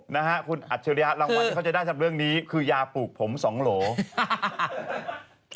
นะฮะคุณอัจฉริยะรางวัลที่เขาจะได้จากเรื่องนี้คือยาปลูกผมสองโหล